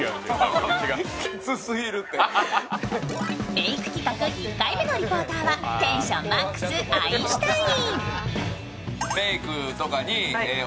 メーク企画１回目のリポーターは、テンションマックス、アインシュタイン。